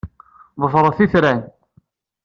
Ḍefret itran.